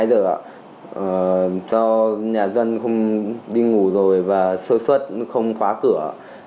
do nhà dân không đi ngủ rồi và sơ xuất không khóa cửa